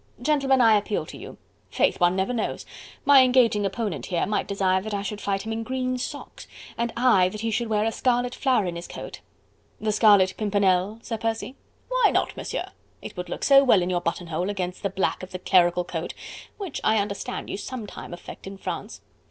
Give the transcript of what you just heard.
Gentlemen, I appeal to you.... Faith! one never knows... my engaging opponent here might desire that I should fight him in green socks, and I that he should wear a scarlet flower in his coat." "The Scarlet Pimpernel, Sir Percy?" "Why not, Monsieur? It would look so well in your buttonhole, against the black of the clerical coat, which I understand you sometime affect in France...